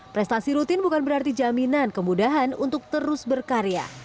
prestasi rutin bukan berarti jaminan kemudahan untuk terus berkarya